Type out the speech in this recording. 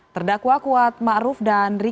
terdakwa kuat ma'ruf dan riki